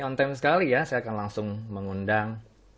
ini on time sekali ya saya akan langsung mengundang